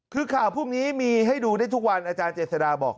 คือข่าวพวกนี้มีให้ดูได้ทุกวันอาจารย์เจษฎาบอก